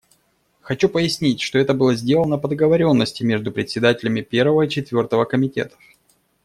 Хочу пояснить, что это было сделано по договоренности между председателями Первого и Четвертого комитетов.